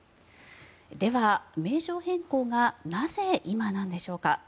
では、名称変更がなぜ今なんでしょうか。